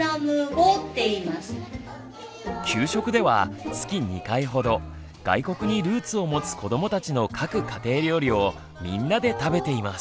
給食では月２回ほど外国にルーツを持つ子どもたちの各家庭料理をみんなで食べています。